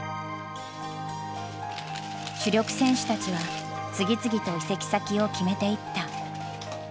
主力選手たちは次々と移籍先を決めていった。